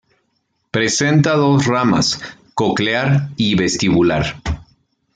Presenta dos ramas, "coclear" y "vestibular".